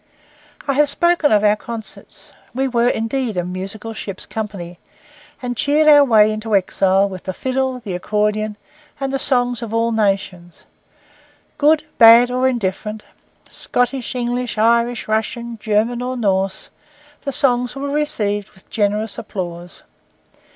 I have spoken of our concerts. We were indeed a musical ship's company, and cheered our way into exile with the fiddle, the accordion, and the songs of all nations. Good, bad, or indifferent—Scottish, English, Irish, Russian, German or Norse,—the songs were received with generous applause.